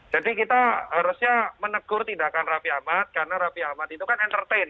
jadi kita harusnya menegur tindakan rafi ahmad karena rafi ahmad itu kan entertain